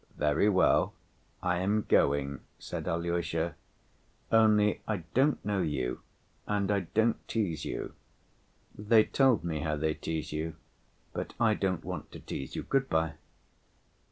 "Very well, I am going," said Alyosha; "only I don't know you and I don't tease you. They told me how they tease you, but I don't want to tease you. Good‐by!"